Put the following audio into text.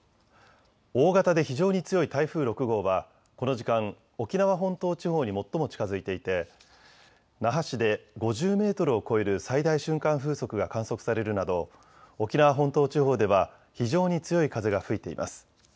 大型で非常に強い台風６号はこの時間、沖縄本島地方に最も近づいていて那覇市で５０メートルを超える最大瞬間風速が観測されるなど沖縄本島地方では非常に強い風が吹いています。